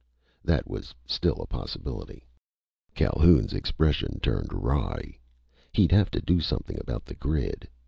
That was still a possibility. Calhoun's expression turned wry. He'd have to do something about the grid.